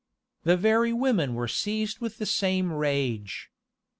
The very women were seized with the same rage.